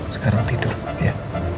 sekarang tidur iya